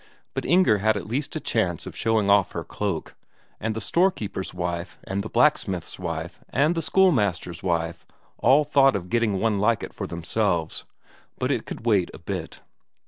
But Inger had at least a chance of showing off her cloak, and the storekeeper's wife and the blacksmith's wife and the schoolmaster's wife all thought of getting one like it for themselves but it could wait a bit.